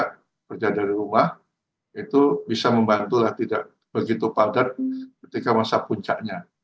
bekerja dari rumah itu bisa membantulah tidak begitu padat ketika masa puncaknya